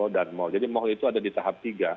nah baru masuk tahap tiga